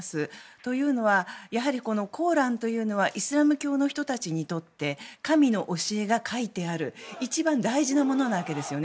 というのはやはりコーランというのはイスラム教の人たちにとって神の教えが書いてある一番大事なものなわけですよね。